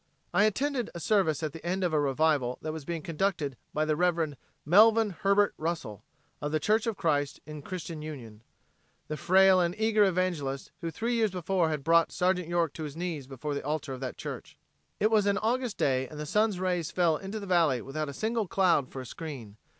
I attended a service at the end of a revival that was being conducted by the Rev. Melvin Herbert Russell, of the Church of Christ in Christian Union, the frail and eager evangelist who three years before had brought Sergeant York to his knees before the altar of that church. It was an August day and the sun's rays fell into the valley without a single cloud for a screen.